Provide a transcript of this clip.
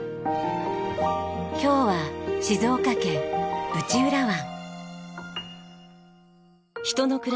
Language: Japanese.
今日は静岡県内浦湾。